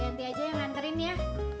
ganti aja yang nganterin ya